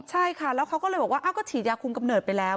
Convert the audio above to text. ใช่ค่ะแล้วเขาก็เลยบอกว่าก็ฉีดยาคุมกำเนิดไปแล้ว